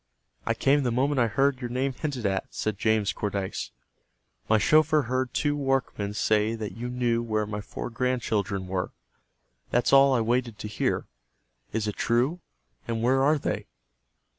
"I came the moment I heard your name hinted at," said James Cordyce. "My chauffeur heard two workmen say that you knew where my four grandchildren were. That's all I waited to hear. Is it true? And where are they?"